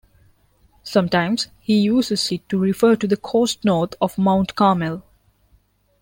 Sometimes, he uses it to refer to the coast north of Mount Carmel.